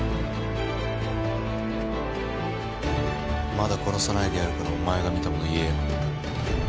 まだ殺さないでやるからお前が見たもの言えよ。